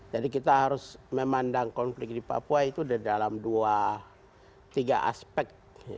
jadi kita harus memandang konflik di papua itu dalam dua tiga aspek